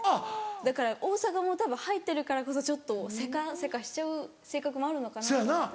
だから大阪も入ってるからこそちょっとせかせかしちゃう性格もあるのかなと思って。